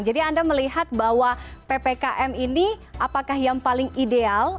jadi anda melihat bahwa ppkm ini apakah yang paling ideal